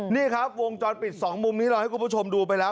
นี่ครับวงจรปิดสองมุมนี้เราให้คุณผู้ชมดูไปแล้ว